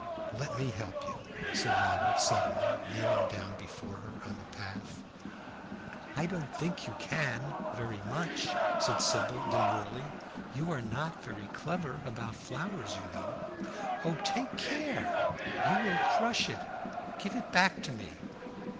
"Let me help you," said Ronald suddenly, kneeling down before her on the path. "I don't think you can very much," said Sybil, demurely. "You are not very clever about flowers, you know. Oh, take care! You will crush it give it back to me!"